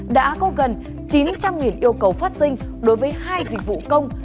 đã có gần chín trăm linh yêu cầu phát sinh đối với hai dịch vụ công